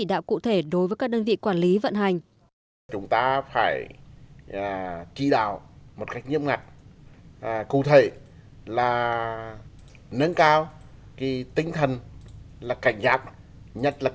đạo cụ thể đối với các đơn vị quản lý vận hành